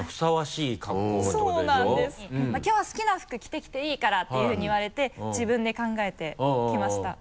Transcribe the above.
「きょうは好きな服着てきていいから」っていうふうに言われて自分で考えてきました。